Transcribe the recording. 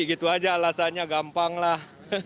gitu saja alasannya gampanglah